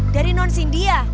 dari non sindi ya